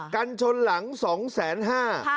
กัญชนหลังสองแสนห้า